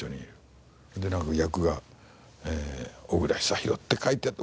でなんか役が「小倉久寛」って書いてあって。